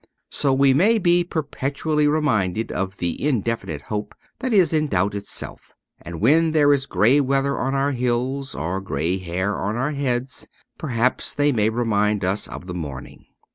So we may be perpetually reminded of the indefinite hope that is in doubt itself ; and when there is grey weather on our hills or grey hair on our heads perhaps they may still remind us of the morning.